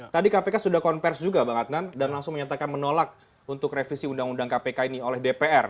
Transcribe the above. tadi kpk sudah konversi juga bang adnan dan langsung menyatakan menolak untuk revisi undang undang kpk ini oleh dpr